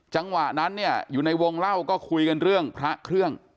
จังหวะนั้นเนี่ยอยู่ในวงเล่าก็คุยกันเรื่องพระเครื่อง